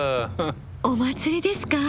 お祭りですか？